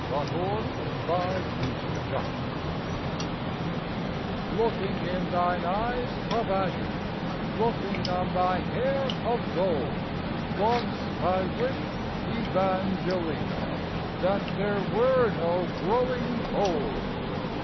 ETERNAL YOUTH Looking in thine eyes of azure, Looking on thy hair of gold, Once I wished, Evangelina, That there were no growing old.